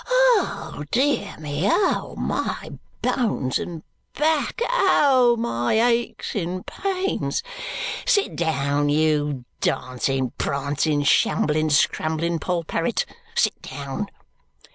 "Oh, dear me! Oh, my bones and back! Oh, my aches and pains! Sit down, you dancing, prancing, shambling, scrambling poll parrot! Sit down!"